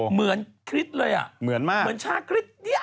เหมืนฯริษดิ์เลยดูสิเหมือนชาคฤษ